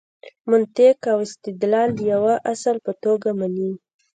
منطق او استدلال د یوه اصل په توګه مني.